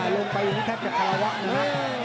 ลงไปก่อนแทะจะทาราวะหนึ่งละ